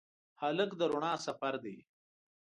هلک د رڼا سفر دی.